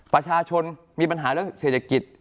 ประชาชนมีปัญหาเรื่องเศรษฐกิจ